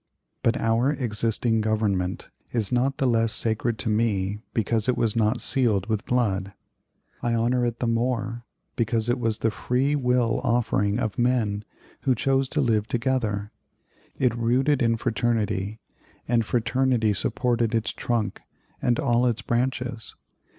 "But our existing Government is not the less sacred to me because it was not sealed with blood. I honor it the more because it was the free will offering of men who chose to live together. It rooted in fraternity, and fraternity supported its trunk and all its branches.